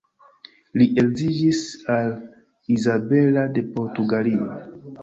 Li edziĝis al Izabela de Portugalio.